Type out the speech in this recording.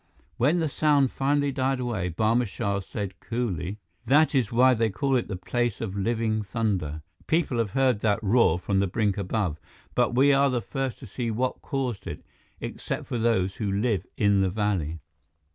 When the sound finally died away, Barma Shah said coolly: "That is why they call it the Place of Living Thunder. People have heard that roar from the brink above, but we are the first to see what caused it except for those who live in the valley."